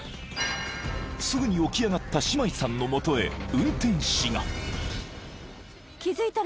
［すぐに起き上がったシマイさんの元へ運転士が］